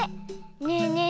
ねえねえ